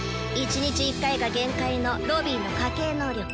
１日１回が限界のロビーの家系能力